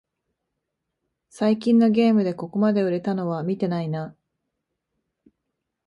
最近のゲームでここまで売れたのは見てないな